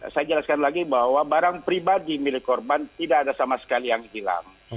saya jelaskan lagi bahwa barang pribadi milik korban tidak ada sama sekali yang hilang